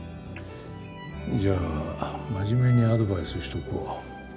じゃあ真面目にアドバイスしとくわ。